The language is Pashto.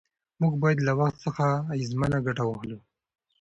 موږ باید له وخت څخه اغېزمنه ګټه واخلو